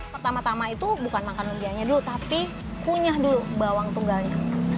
pertama tama itu bukan makan lumpianya dulu tapi kunyah dulu bawang tunggalnya